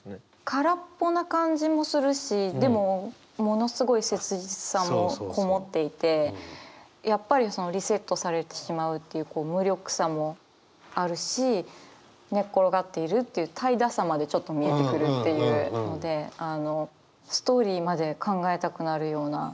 空っぽな感じもするしでもものすごい切実さも籠もっていてやっぱりリセットされてしまうっていう無力さもあるし寝っ転がっているっていう怠惰さまでちょっと見えてくるっていうのでストーリーまで考えたくなるような。